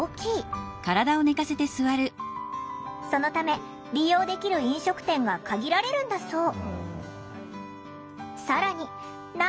そのため利用できる飲食店が限られるんだそう。